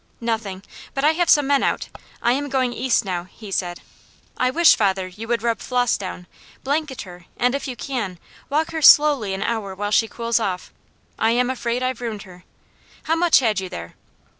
"Nothing, but I have some men out. I am going east now," he said. "I wish, father, you would rub Flos down, blanket her, and if you can, walk her slowly an hour while she cools off. I am afraid I've ruined her. How much had you there?"